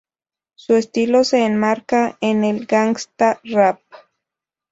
Su estilo se enmarca en el gangsta rap.